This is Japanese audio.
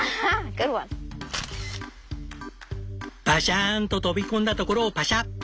バシャーンと飛び込んだところをパシャ！